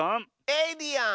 エイリアン！